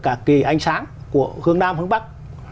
cả cái ánh sáng của hướng nam hướng bắc